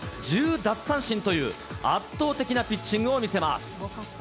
１０奪三振という、圧倒的なピッチングを見せます。